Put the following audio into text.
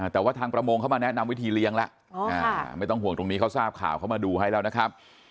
แต่ว่าทางประมงเขามาแนะนำวิธีเลี้ยงแล้วไม่ต้องห่วงตรงนี้เขาทราบข่าวเขามาดูให้แล้วนะครับ